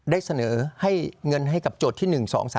ได้เสนอให้เงินให้กับโจทย์ที่๑๒๓